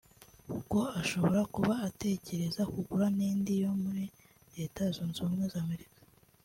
kuko ashobora kuba atekereza kugura n’indi yo muri Leta Zunze Ubumwe za Amerika